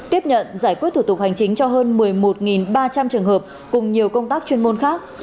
tiếp nhận giải quyết thủ tục hành chính cho hơn một mươi một ba trăm linh trường hợp cùng nhiều công tác chuyên môn khác